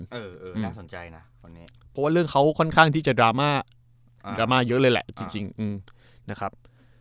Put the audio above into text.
เพราะว่าเรื่องเขาค่อนข้างที่จะดราม่าดราม่าเยอะเลยแหละจริงนะครับ